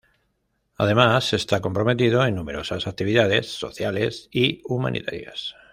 Además está comprometido en numerosas actividades sociales y humanitarias.